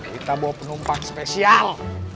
kita bawa penumpang spesial